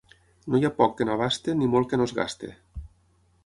No hi ha poc que no abasti, ni molt que no es gasti.